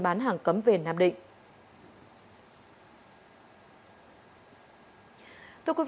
bán hàng cấm về nam định